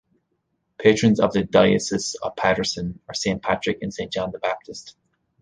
Patrons of the Diocese of Paterson are Saint Patrick and Saint John the Baptist.